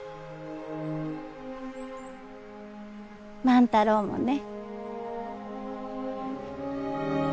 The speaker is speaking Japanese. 万太郎もね。